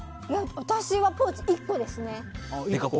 私はポーチ１個ですね。